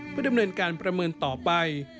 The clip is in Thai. เพื่อดำเนินการประเมินต่อไป